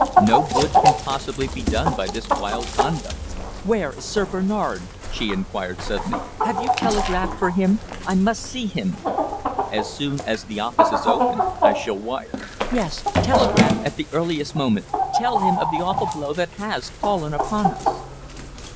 No good can possibly be done by this wild conduct." "Where is Sir Bernard?" she inquired suddenly. "Have you telegraphed for him? I must see him." "As soon as the office is open I shall wire." "Yes, telegraph at the earliest moment. Tell him of the awful blow that has fallen upon us."